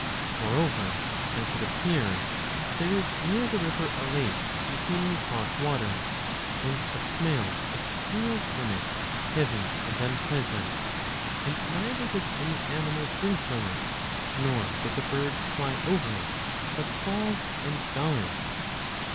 Moreover, as it appears, there is near the river a lake, containing hot water, and a smell exhales from it heavy and unpleasant, and neither does any animal drink from it, nor does a bird fly over it, but falls and dies.